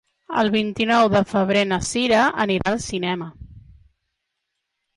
El vint-i-nou de febrer na Cira anirà al cinema.